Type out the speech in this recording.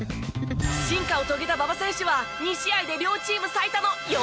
進化を遂げた馬場選手は２試合で両チーム最多の４０得点と大活躍！